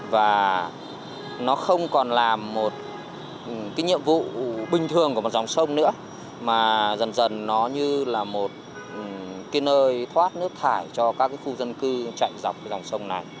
và nó không còn là một cái nhiệm vụ bình thường của một dòng sông nữa mà dần dần nó như là một cái nơi thoát nước thải cho các khu dân cư chạy dọc dòng sông này